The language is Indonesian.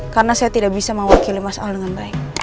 karena saya tidak bisa mewakili mas al dengan baik